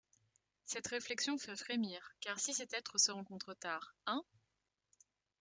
Cette réflexion fait frémir, car si cet être se rencontre tard, hein?